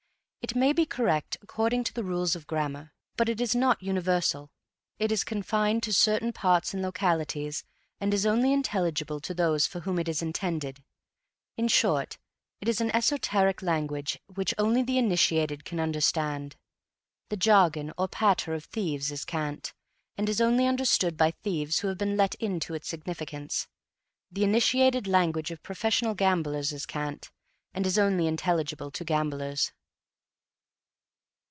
It may be correct, according to the rules of grammar, but it is not universal; it is confined to certain parts and localities and is only intelligible to those for whom it is intended. In short, it is an esoteric language which only the initiated can understand. The jargon, or patter, of thieves is cant and it is only understood by thieves who have been let into its significance; the initiated language of professional gamblers is cant, and is only intelligible to gamblers.